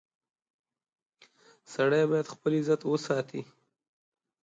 • سړی باید خپل عزت وساتي.